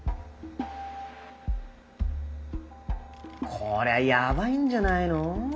こりゃやばいんじゃないの。